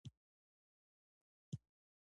دا موږ ته څه ګټه کوي.